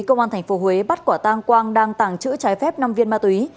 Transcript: công an tp huế bắt quả tang quang đang tàng trữ trái phép năm viên ma túy